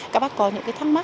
các bác có những thắc mắc